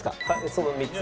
その３つ。